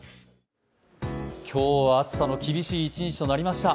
今日は暑さの厳しい一日となりました。